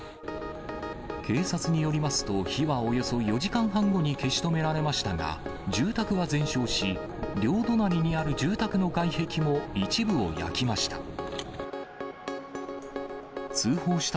警察によりますと、火はおよそ４時間半後に消し止められましたが、住宅は全焼し、両隣にある住宅の外壁も一部を焼きました。